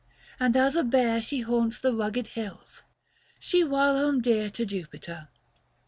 And as a Bear She haunts the rugged hills ; she whilom dear To Jupiter.